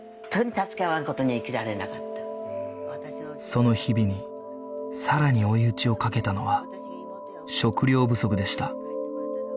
その日々にさらに追い打ちをかけたのは食糧不足でした